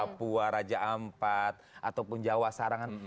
papua raja ampat ataupun jawa sarangan